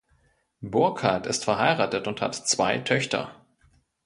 Burckhardt ist verheiratet und hat zwei Töchter.